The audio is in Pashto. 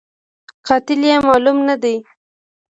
قاتل یې معلوم نه دی